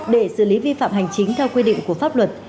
để xử lý vi phạm hành chính theo quy định của pháp luật